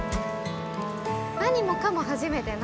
何もかも初めてなので。